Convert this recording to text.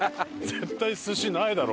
絶対寿司ないだろ！